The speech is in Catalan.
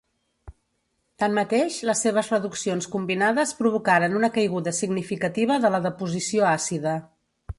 Tanmateix les seves reduccions combinades provocaren una caiguda significativa de la deposició àcida.